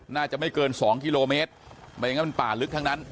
น่าจะไม่เกินสองกิโลเมตรไม่อย่างนั้นมันป่าลึกทั้งนั้น